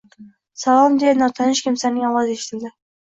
Salom, deya notanish kimsaning ovozi eshitildi